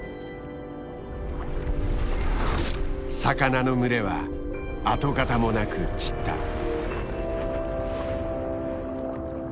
魚の群れは跡形もなく散った。